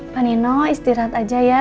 pak nino istirahat aja ya